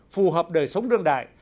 phù hợp đời sống đương đại